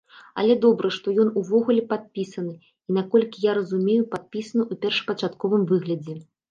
Але добра, што ён увогуле падпісаны, і, наколькі я разумею, падпісаны ў першапачатковым выглядзе.